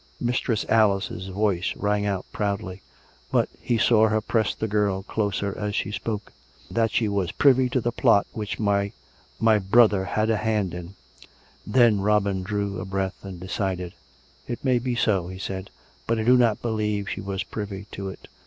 Mistress Alice's voice rang out proudly; but he saw her press the girl closer as she spoke. " That she was privy to the plot which my ... my brother liad a hand in." Then Robin drew a breath and decided. " It may be so," he said. " But I do not believe she was privy to it.